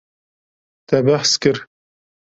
Te behs kir.